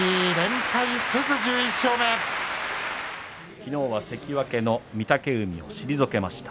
きのうは関脇の御嶽海を退けました。